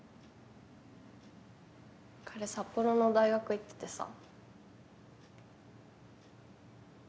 彼札幌の大学行っててさ